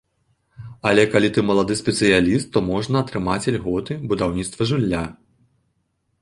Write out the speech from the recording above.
Але калі ты малады спецыяліст, то можна атрымаць ільготы, будаўніцтва жылля.